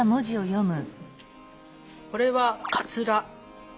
これはかつら。